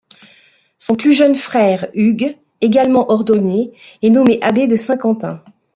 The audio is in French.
Son plus jeune frère, Hugues, également ordonné, est nommé abbé de Saint-Quentin.